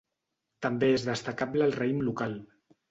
També és destacable el raïm local.